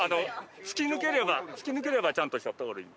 突き抜ければ突き抜ければちゃんとした通り。